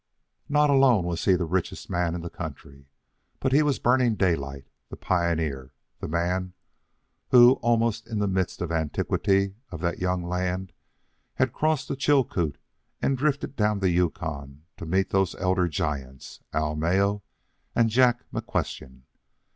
Not alone was he the richest man in the country, but he was Burning Daylight, the pioneer, the man who, almost in the midst of antiquity of that young land, had crossed the Chilcoot and drifted down the Yukon to meet those elder giants, Al Mayo and Jack McQuestion.